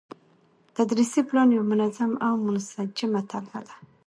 تدريسي پلان يو منظم او منسجمه طرحه ده،